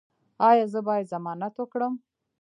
ایا زه باید ضمانت وکړم؟